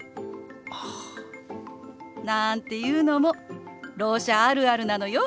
なんていうのも「ろう者あるある」なのよ。